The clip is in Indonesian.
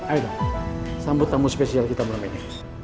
ayo dong sambut tamu spesial kita malam ini